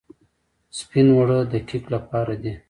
سپین اوړه د کیک لپاره دي.